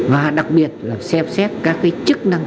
và đặc biệt là xem xét các cái chức năng